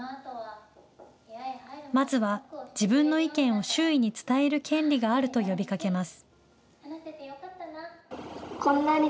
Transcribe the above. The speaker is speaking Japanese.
まずは自分の意見を周囲に伝える権利があると呼びかけます。